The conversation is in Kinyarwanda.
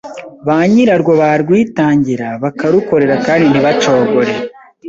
banyirarwo barwitangira bakarukorera kandi ntibacogore.